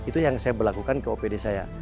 itu yang saya berlakukan ke opd saya